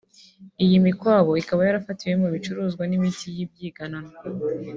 iyi mikwabu ikaba yarafatiwemo ibicuruzwa n’imiti by’ibyiganano